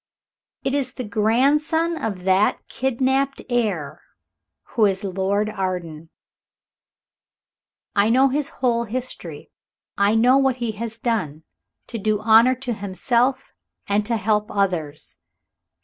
It is the grandson of that kidnapped heir who is Lord Arden. I know his whole history. I know what he has done, to do honor to himself and to help others."